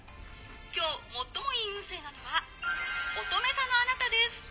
今日最もいい運勢なのはおとめ座のあなたです！」。